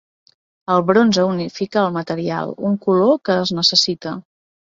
El bronze unifica el material, un color que es necessita.